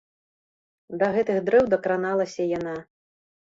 Да гэтых дрэў дакраналася яна.